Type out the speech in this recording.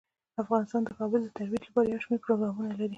افغانستان د کابل د ترویج لپاره یو شمیر پروګرامونه لري.